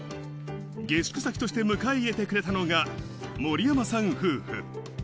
下宿先として迎え入れてくれたのが森山さん夫婦。